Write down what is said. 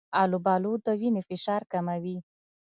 آلوبالو د وینې فشار کموي.